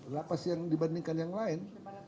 lapas yang dibandingkan yang lain